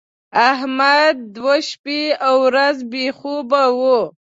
احمد دوه شپه او ورځ بې خوبه و.